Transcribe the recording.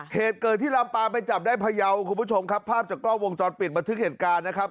เหตุเกิดที่ลำปางไปจับได้พยาวคุณผู้ชมครับภาพจากกล้องวงจรปิดบันทึกเหตุการณ์นะครับ